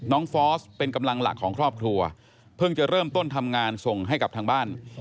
ฟอสเป็นกำลังหลักของครอบครัวเพิ่งจะเริ่มต้นทำงานส่งให้กับทางบ้าน